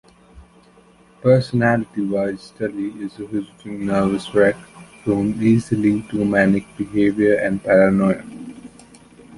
Personality-wise, Telly is a fidgeting, nervous wreck, prone easily to manic behavior and paranoia.